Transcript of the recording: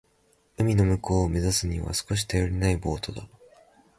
海の向こうを目指すには少し頼りないボートだ。